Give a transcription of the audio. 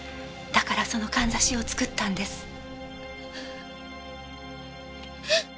だからそのかんざしを作ったんです。